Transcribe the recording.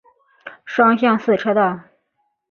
双向四车道。